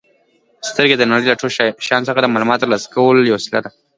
سترګې د نړۍ له ټولو شیانو څخه د معلوماتو ترلاسه کولو یوه وسیله ده.